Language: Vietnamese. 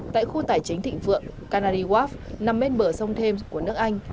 tại khu tài chính thịnh vượng canary wharf nằm bên bờ sông thêm của nước anh